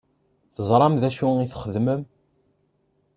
Teẓṛam d acu i txeddmem?